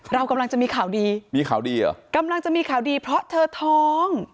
เรากำลังจะมีข่าวดีมีข่าวดีเหรอกำลังจะมีข่าวดีเพราะเธอท้อง